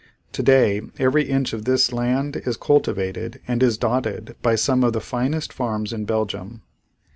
Today every inch of this land is cultivated and is dotted by some of the finest farms in Belgium.